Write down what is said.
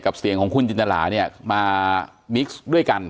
เสียงของคุณจินตราเนี่ยมาบิ๊กซ์ด้วยกัน